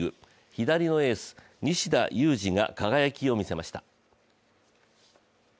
左のエース・西田有志が輝きを見せました。